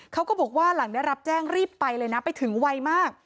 เขาก็บอกว่าหลังได้รับแจ้งรีบไปเลยนะไปถึงไวมาก